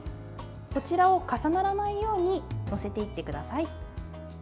こちらを重ならないように載せていってください。